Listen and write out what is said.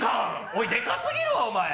おい、でかすぎるわ、お前。